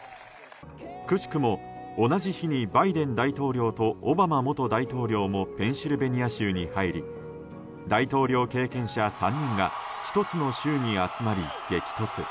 くしくも、同じ日にバイデン大統領とオバマ元大統領もペンシルベニア州に入り大統領経験者３人が１つの州に集まり激突。